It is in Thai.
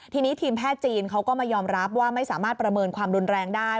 ทีนี้ทีมแพทย์จีนเขาก็มายอมรับว่าไม่สามารถประเมินความรุนแรงได้